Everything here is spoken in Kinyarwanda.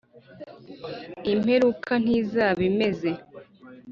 Imperuka ntizaba imeze